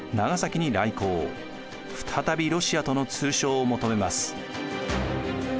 再びロシアとの通商を求めます。